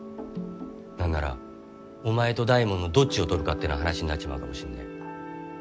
なんならお前と大門のどっちを取るかってな話になっちまうかもしんねぇ。